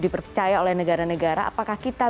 dipercaya oleh negara negara apakah kita